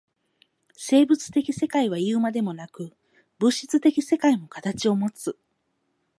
生物的世界はいうまでもなく、物質的世界も形をもつ。